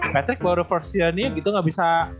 patrick baru first year nih gitu gak bisa